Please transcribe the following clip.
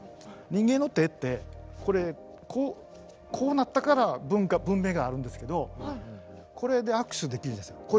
人間の手ってこれこうなったから文化文明があるんですけどこれで握手できるじゃないですか。